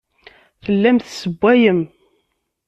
Tellam tessewwayem.